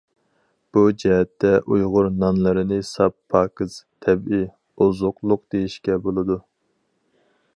بۇ جەھەتتە ئۇيغۇر نانلىرىنى ساپ، پاكىز، تەبىئىي ئوزۇقلۇق دېيىشكە بولىدۇ.